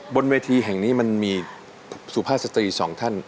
บนเวทีแห่งนี้มันมีสู่ภาษาศึกตรี๒ท่าน